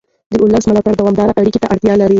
د ولس ملاتړ دوامداره اړیکې ته اړتیا لري